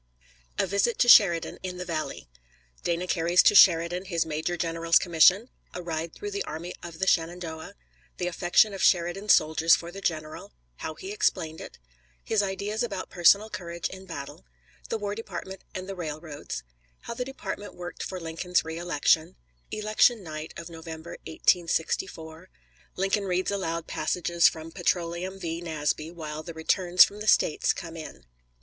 A VISIT TO SHERIDAN IN THE VALLEY. Mr. Dana carries to Sheridan his major general's commission A ride through the Army of the Shenandoah The affection of Sheridan's soldiers for the general How he explained it His ideas about personal courage in battle The War Department and the railroads How the department worked for Lincoln's re election Election night of November, 1864 Lincoln reads aloud passages from Petroleum V. Nasby while the returns from the States come in.